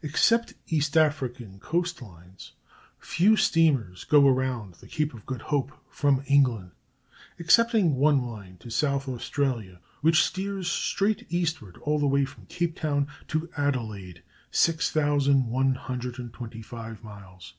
Except East African coast lines, few steamers go around the Cape of Good Hope from England, excepting one line to South Australia, which steers straight eastward all the way from Cape Town to Adelaide, 6125 miles.